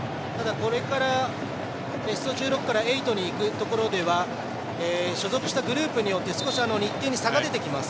これからベスト１６から８にいくところでは所属したグループによって日程に差が出てきます。